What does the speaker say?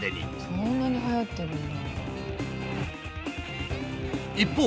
そんなにはやってるの？